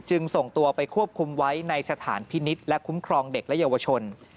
ส่งตัวไปควบคุมไว้ในสถานพินิษฐ์และคุ้มครองเด็กและเยาวชน